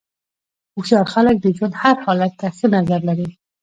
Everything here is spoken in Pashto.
هوښیار خلک د ژوند هر حالت ته ښه نظر لري.